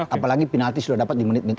apalagi penalti sudah dapat di menit menit